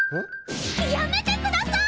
やめてください！